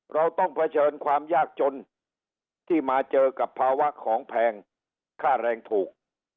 เราต้องเผชิญความยากจนที่มาเจอกับภาวะของแพงค่าแรงถูก